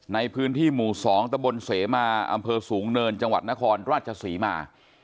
ในพื้นที่หมู่๒ตะบนเสมาอำเภอสูงเนินจังหวัดนครราชศรีมา